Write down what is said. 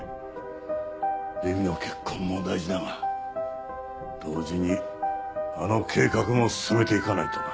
麗美の結婚も大事だが同時にあの計画も進めていかないとな。